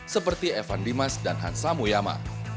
seperti evan dimas dan hans samuyama